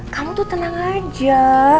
kamu tuh tenang aja